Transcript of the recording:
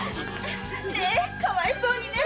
⁉かわいそうにね！